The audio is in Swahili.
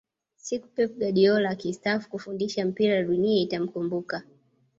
siku pep guardiola akistaafu kufundisha mpira dunia itamkumbuka